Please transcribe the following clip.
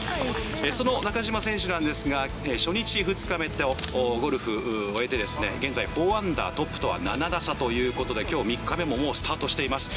その中島選手なんですが、初日、２日目とゴルフを終えて、現在、４アンダー、トップとは７打差ということで、きょう３日目も、もう、スタートしています。